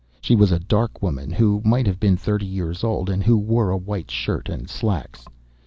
She was a dark woman who might have been thirty years old, and who wore a white shirt and slacks.